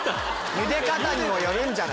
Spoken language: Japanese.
茹で方によるんじゃない？